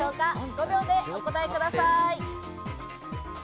５秒でお答えください。